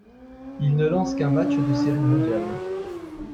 Il ne lance qu'un match de Série mondiale.